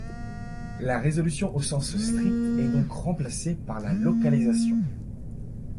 La résolution au sens strict est donc remplacée par la localisation.